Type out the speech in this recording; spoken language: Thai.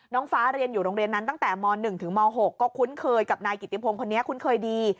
น้องฟ้าเรียนอยู่โรงเรียนนั้นตั้งแต่ม๑ถึงม๖ก็คุ้นเคยกับนายกิติพงศ์คนนี้คุ้นเคยดี